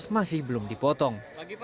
masih belum dipotong